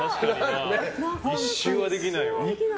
１周はできないわ。